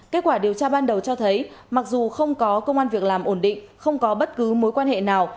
kết quả điều tra ban đầu cho thấy mặc dù không có công an việc làm ổn định không có bất cứ mối quan hệ nào